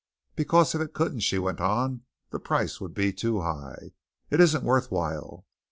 "Because if it couldn't," she went on, "the price would be too high. It isn't worth while."